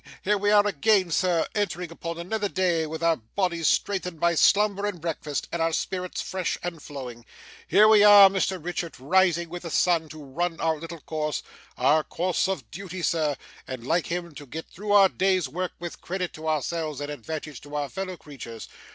Here we are again, sir, entering upon another day, with our bodies strengthened by slumber and breakfast, and our spirits fresh and flowing. Here we are, Mr Richard, rising with the sun to run our little course our course of duty, sir and, like him, to get through our day's work with credit to ourselves and advantage to our fellow creatures.